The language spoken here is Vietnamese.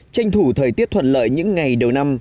tranh thủ thời tiết thuận lợi những ngày đầu năm